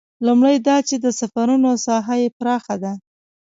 لومړی دا چې د سفرونو ساحه یې پراخه ده.